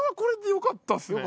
よかったっすね。